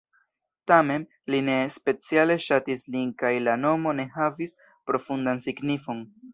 Tamen, li ne speciale ŝatis lin kaj la nomo ne havis profundan signifon.